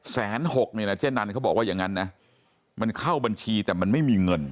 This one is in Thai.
หกเนี่ยนะเจ๊นันเขาบอกว่าอย่างนั้นนะมันเข้าบัญชีแต่มันไม่มีเงิน